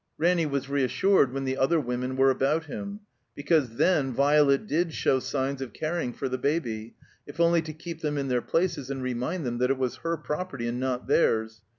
Ranny was reassured when the other women were about him; because then Violet did show signs of caring for the Baby, if only to keep them in their places and remind them that it was her property and not theirs.